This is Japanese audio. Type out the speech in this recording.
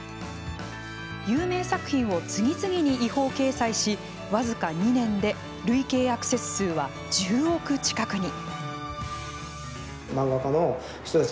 有名作品を次々に違法掲載し僅か２年で累計アクセス数は１０億近くに。